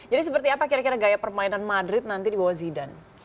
jadi seperti apa kira kira gaya permainan madrid nanti di bawah zidane